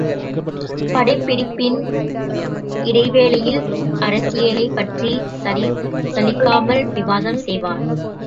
படப்பிடிப்பின் இடைவேளையில் அரசியலைப் பற்றி சலிக்காமல் விவாதம் செய்வார்.